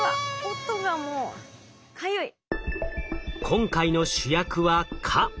今回の主役は蚊。